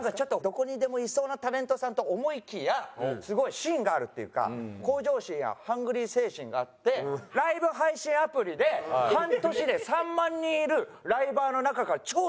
どこにでもいそうなタレントさんと思いきやすごい芯があるっていうか向上心やハングリー精神があってライブ配信アプリで半年で３万人いるライバーの中から頂点になったんです。